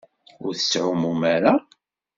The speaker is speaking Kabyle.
Ur tettɛummum ara?